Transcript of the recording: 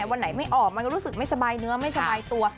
วันไหนไม่ออกมันก็รู้สึกไม่สบายเนื้อไม่สบายตัว